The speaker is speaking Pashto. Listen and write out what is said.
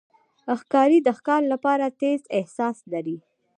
ښکاري د ښکار لپاره تیز احساس لري.